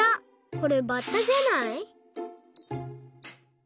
これバッタじゃない？